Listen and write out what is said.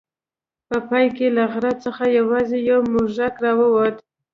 په پای کې له غره څخه یوازې یو موږک راووت.